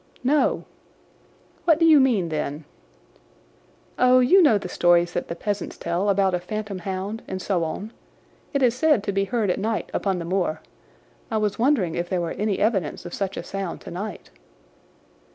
"No." "What do you mean, then?" "Oh, you know the stories that the peasants tell about a phantom hound, and so on. It is said to be heard at night upon the moor. I was wondering if there were any evidence of such a sound tonight."